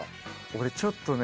俺ちょっとね